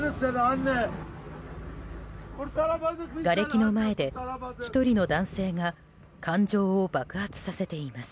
がれきの前で１人の男性が感情を爆発させています。